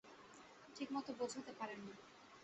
ঠিকমতো বোঝাতে পারেন না।